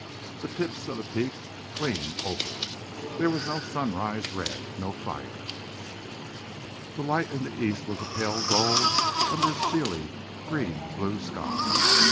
The tips of the peak gleamed opal. There was no sunrise red, no fire. The light in the east was a pale gold under a steely green blue sky.